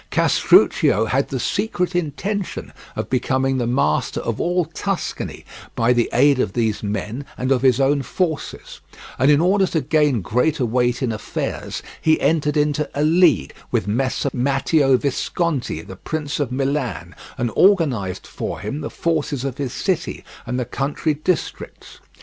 Castruccio had the secret intention of becoming the master of all Tuscany by the aid of these men and of his own forces; and in order to gain greater weight in affairs, he entered into a league with Messer Matteo Visconti, the Prince of Milan, and organized for him the forces of his city and the country districts.